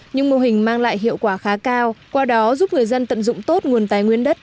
nhưng mô hình mang lại hiệu quả khá cao qua đó giúp người dân tận dụng tốt nguồn tài nguyên đất